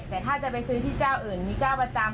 แต่ถ้าจะไปซื้อที่เจ้าอื่นมีเจ้าประจำ